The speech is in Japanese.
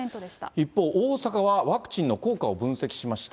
一方、大阪はワクチンの効果を分析しました。